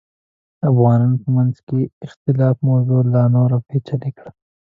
د افغانانو په منځ کې اختلاف موضوع لا نوره پیچلې کړه.